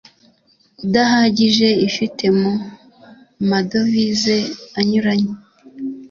udahagije ifite mu madovize anyuranye